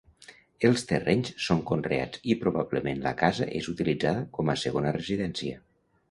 Els terrenys són conreats i probablement la casa és utilitzada com a segona residència.